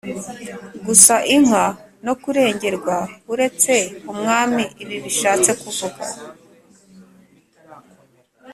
Gusa inka no kurengerwa uretse umwami ibi bishatse kuvuga